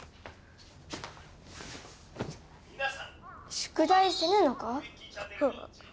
宿題せぬのか？